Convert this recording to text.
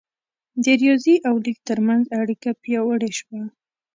د ریاضي او لیک ترمنځ اړیکه پیاوړې شوه.